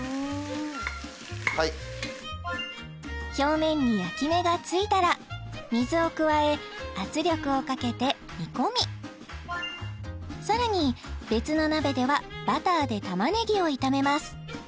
はい表面に焼き目がついたら水を加え圧力をかけて煮込みさらに別の鍋ではバターで玉ねぎを炒めます